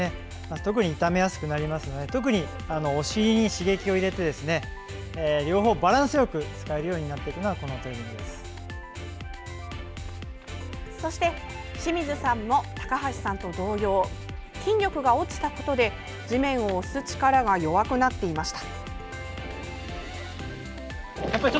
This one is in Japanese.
特に痛めやすくなりますのでお尻に刺激を入れて両方をバランスよく使えるようになっていくのがそして清水さんも高橋さんと同様筋力が落ちたことで地面を押す力が弱くなっていました。